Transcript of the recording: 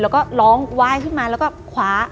แล้วก็ร้องไหว้ขึ้นมาแล้วก็คว้า